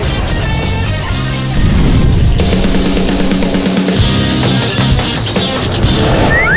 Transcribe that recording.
กินปัด